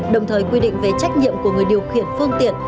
đồng thời quy định về trách nhiệm của người điều khiển phương tiện